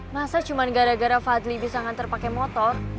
masa cuma gara gara fadli bisa nganter pake motor